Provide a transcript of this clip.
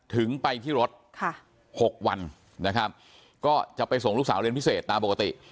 ถึงไปที่รถ๖วันนะครับก็จะไปส่งลูกสาวเรียนพิเศษตามปกติ